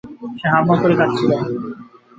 সে হাউমাউ করে কাঁদছিল।